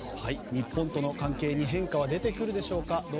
日本との関係に変化が出てくるでしょうか。